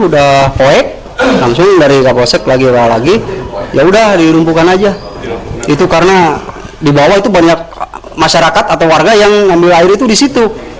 di bawah itu banyak masyarakat atau warga yang mengambil air itu di situ